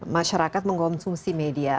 masyarakat mengkonsumsi media